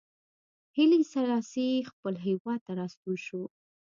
هیلي سلاسي خپل هېواد ته راستون شو.